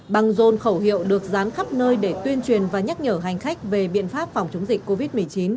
băng rôn khẩu hiệu được dán khắp nơi để tuyên truyền và nhắc nhở hành khách về biện pháp phòng chống dịch covid một mươi chín